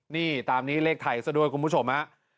นี่ตามนี้เลขไทยซะด้วยคุณผู้ชมฮะ